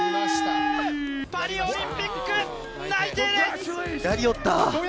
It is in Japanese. パリオリンピック内定です！